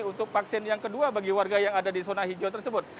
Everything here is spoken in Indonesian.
untuk vaksin yang kedua bagi warga yang ada di zona hijau tersebut